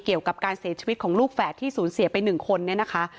เกี่ยวกับการเสียชีวิตของลูกแฝดที่สูญเสียไป๑คนเนี่ยนะคะ